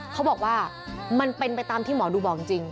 เขาบอกว่ามันเป็นไปตามที่หมอดูบอกจริง